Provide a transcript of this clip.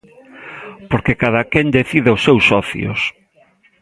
Porque cadaquén decide os seus socios.